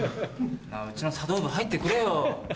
なぁうちの茶道部入ってくれよ。